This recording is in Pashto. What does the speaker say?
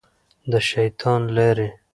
د شیطان لارې.